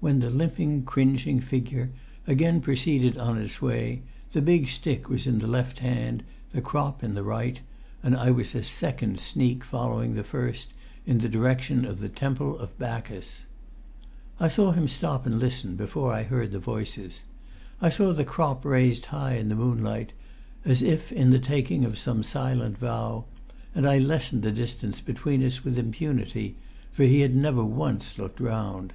When the limping, cringing figure again proceeded on its way, the big stick was in the left hand, the crop in the right, and I was a second sneak following the first, in the direction of the Temple of Bacchus. I saw him stop and listen before I heard the voices. I saw the crop raised high in the moonlight, as if in the taking of some silent vow, and I lessened the distance between us with impunity, for he had never once looked round.